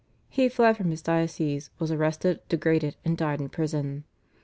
He fled from his diocese, was arrested, degraded, and died in prison.